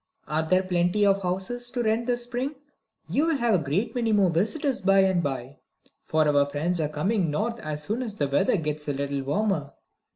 Are there plenty of houses to rent this Spring? You will have a great many more visitors by and by, for our friends are coming North as soon as the weather gets a little warmer."